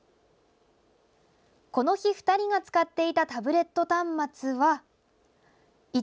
この日、２人が使っていたタブレット端末は。